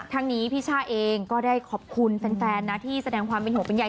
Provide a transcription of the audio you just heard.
ทั้งนี้พี่ช่าเองก็ได้ขอบคุณแฟนนะที่แสดงความเป็นห่วงเป็นใย